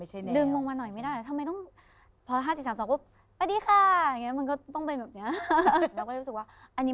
เฮ้ยทำไมต้องสั้นขนาดนี้